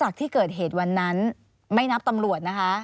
หลักที่เกิดเหตุวันนั้นไม่นับตำรวจนะคะ